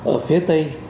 ở phía tây